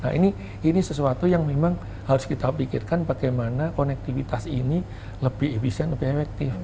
nah ini sesuatu yang memang harus kita pikirkan bagaimana konektivitas ini lebih efisien lebih efektif